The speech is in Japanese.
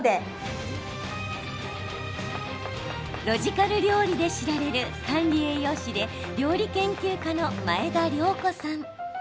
ロジカル料理で知られる管理栄養士で料理研究家の前田量子さん。